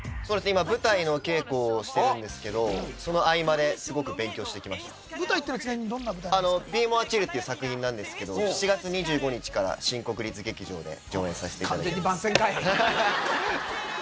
今舞台の稽古をしてるんですけどその合間ですごく勉強してきました舞台ってのはちなみにどんな舞台なんですか「ＢＥＭＯＲＥＣＨＩＬＬ」っていう作品なんですけど７月２５日から新国立劇場で上演さして完全に番宣かい！